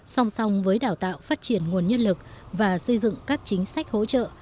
song song với đào tạo phát triển nguồn nhân lực và xây dựng các chính sách hỗ trợ